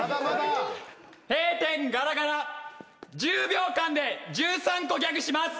１０秒間で１３個ギャグします。